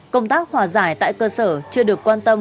công tác hòa giải tại cơ sở chưa được quan tâm